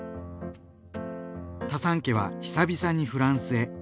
タサン家は久々にフランスへ。